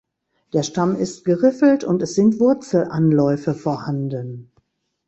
Der Stamm ist geriffelt und es sind Wurzelanläufe vorhanden.